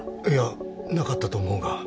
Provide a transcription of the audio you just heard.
いやなかったと思うが。